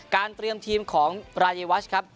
เตรียมทีมของรายวัชครับ